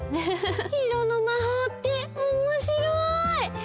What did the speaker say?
いろのまほうっておもしろい！